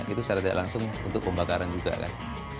itu secara tidak langsung untuk pembakaran juga kan